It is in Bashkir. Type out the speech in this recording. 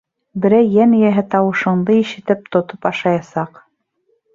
Берәй йән эйәһе тауышыңды ишетеп, тотоп ашаясаҡ.